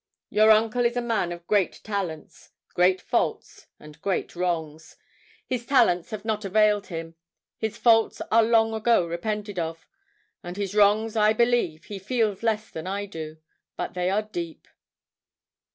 Your uncle is a man of great talents, great faults, and great wrongs. His talents have not availed him; his faults are long ago repented of; and his wrongs I believe he feels less than I do, but they are deep.